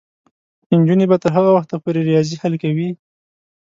نجونې به تر هغه وخته پورې ریاضي حل کوي.